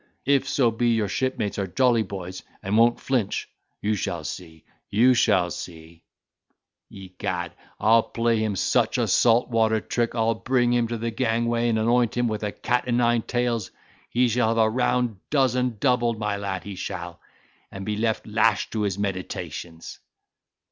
If so be your shipmates are jolly boys, and won't flinch, you shall see, you shall see; egad, I'll play him such a salt water trick I'll bring him to the gangway and anoint him with a cat and nine tails; he shall have a round dozen doubled, my lad, he shall—and be left lashed to his meditations."